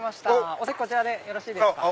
こちらでよろしいですか？